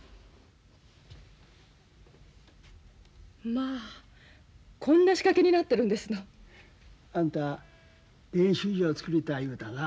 まあこんな仕掛けになってるんですの？あんた練習場作りたい言うたな。